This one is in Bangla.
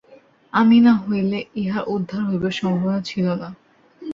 আমি না হইলে ইহার উদ্ধার হইবার সম্ভাবনা ছিল না।